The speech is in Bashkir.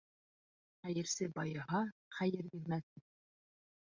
Хәйерсе байыһа, хәйер бирмәҫ.